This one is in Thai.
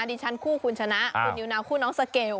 ดิฉันคู่คุณชนะคุณนิวนาวคู่น้องสเกล